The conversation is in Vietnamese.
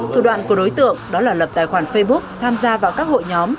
thủ đoạn của đối tượng đó là lập tài khoản facebook tham gia vào các hội nhóm